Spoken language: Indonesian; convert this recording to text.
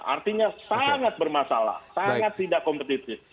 artinya sangat bermasalah sangat tidak kompetitif